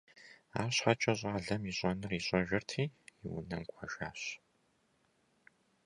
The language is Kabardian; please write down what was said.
АрщхьэкӀэ щӀалэм ищӀэнур ищӀэжырти, и унэм кӀуэжащ.